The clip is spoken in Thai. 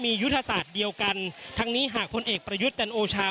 มียุทธศาสตร์เดียวกันทั้งนี้หากพลเอกประยุทธ์จันโอชา